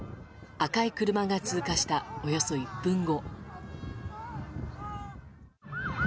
赤い車が通過したおよそ１分後。